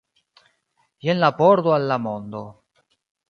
Jen la pordo al la mondo.